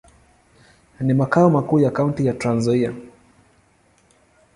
Ni makao makuu ya kaunti ya Trans-Nzoia.